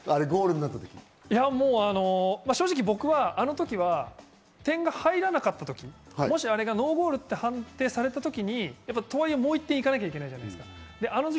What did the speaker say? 正直僕はあの時、点が入らなかった時、もしあれがノーゴールと判定されたとき、もう１点取りに行かなきゃいけないじゃないですか。